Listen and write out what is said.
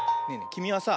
きみはさ